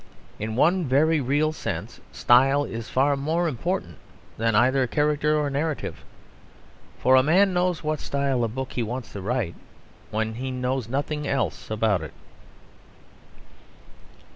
In one very real sense style is far more important than either character or narrative. For a man knows what style of book he wants to write when he knows nothing else about it.